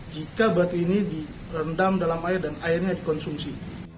jika batu ini direndam dalam air dan airnya dikonsumsi